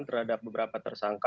terhadap beberapa tersangka